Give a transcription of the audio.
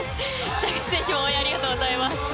北口選手も応援ありがとうございます。